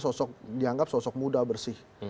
sosok dianggap sosok muda bersih